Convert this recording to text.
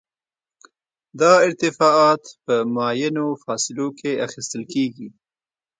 دا ارتفاعات په معینو فاصلو کې اخیستل کیږي